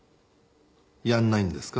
やらないんですか？